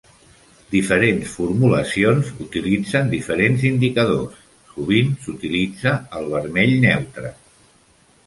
Diferents formulacions utilitzen diferents indicadors: sovint s'utilitza el vermell neutre.